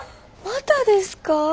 またですか？